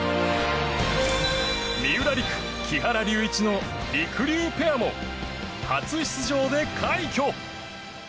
三浦璃来・木原龍一のりくりゅうペアも初出場で快挙。